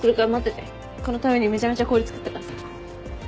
このためにめちゃめちゃ氷作ったからさ。